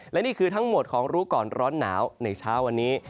และนี่คือทั้งหมดของรู้ก่อนร้อนหนาวในเช้าวันนี้